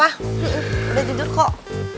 udah jujur kok